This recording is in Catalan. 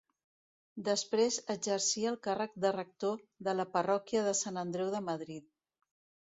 Després exercí el càrrec de rector de la parròquia de Sant Andreu de Madrid.